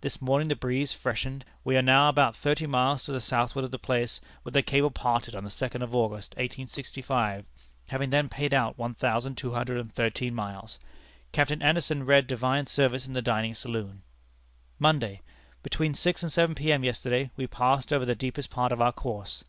This morning the breeze freshened. We are now about thirty miles to the southward of the place where the cable parted on the second of August, 1865, having then paid out one thousand two hundred and thirteen miles. Captain Anderson read divine service in the dining saloon. "Monday. Between six and seven P.M. yesterday, we passed over the deepest part of our course.